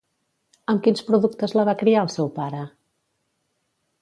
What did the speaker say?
Amb quins productes la va criar el seu pare?